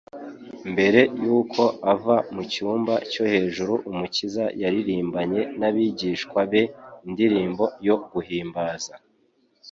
Mbere y'uko ava mu cyumba cyo hejuru Umukiza yaririmbanye n'abigishwa be indirimbo yo guhimbaza.